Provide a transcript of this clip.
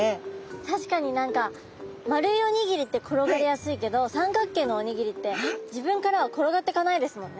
確かに何か丸いおにぎりって転がりやすいけど三角形のおにぎりって自分からは転がっていかないですもんね。